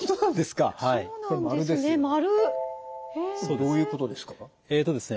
どういうことですか？